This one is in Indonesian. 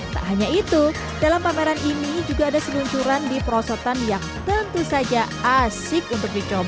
tak hanya itu dalam pameran ini juga ada seluncuran di perosotan yang tentu saja asik untuk dicoba